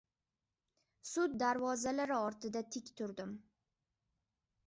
Sud darvozalari ortida tik turdim.